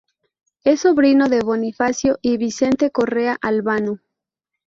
Es sobrino de Bonifacio y Vicente Correa Albano.